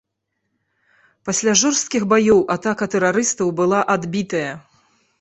Пасля жорсткіх баёў атака тэрарыстаў была адбітая.